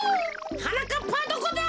はなかっぱはどこだ！